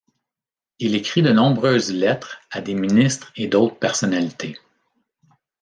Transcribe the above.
Il écrit de nombreuses lettres à des ministres et d’autres personnalités.